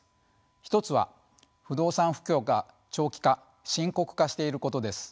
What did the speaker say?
一つは不動産不況が長期化深刻化していることです。